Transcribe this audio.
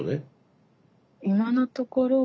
今のところは。